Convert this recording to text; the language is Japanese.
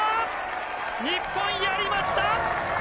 日本、やりました！